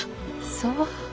そう。